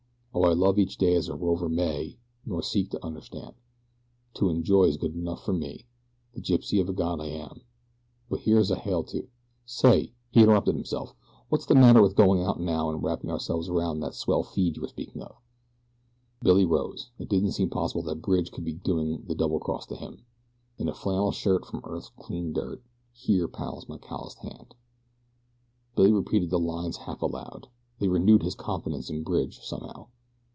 Oh, I love each day as a rover may, Nor seek to understand. To enjoy is good enough for me; The gypsy of God am I. Then here's a hail to "Say," he interrupted himself; "what's the matter with going out now and wrapping ourselves around that swell feed you were speaking of?" Billy rose. It didn't seem possible that Bridge could be going to double cross him. In a flannel shirt from earth's clean dirt, Here, pal, is my calloused hand! Billy repeated the lines half aloud. They renewed his confidence in Bridge, somehow.